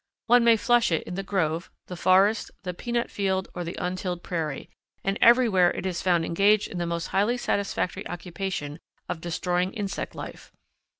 One may flush it in the grove, the forest, the peanut field, or the untilled prairie, and everywhere it is found engaged in the most highly satisfactory occupation of destroying insect life.